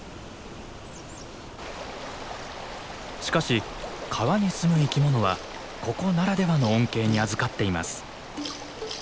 しかし川に住む生きものはここならではの恩恵にあずかっています。